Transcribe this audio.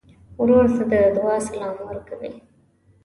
ورور ته د دعا سلام ورکوې.